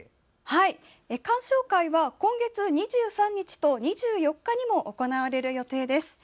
鑑賞会は今月２３日と２４日にも行われる予定です。